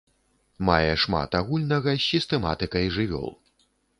Мае шмат агульнага з сістэматыкай жывёл.